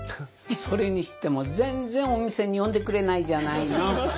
それにしても全然お店に呼んでくれないじゃないの！